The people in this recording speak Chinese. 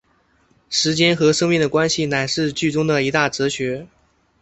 时间和生命的关系乃是剧中的一大哲学。